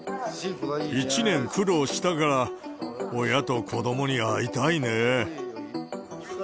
１年苦労したから、親と子どもに会いたいね。